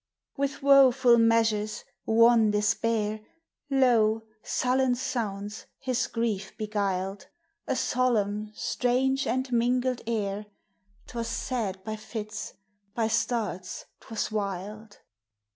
With woful measures wan Despair, Low, sullen sounds, his grief beguiled, — A solemn, strange, and mingled air ; 'T was sad by fits, by starts 't was wild.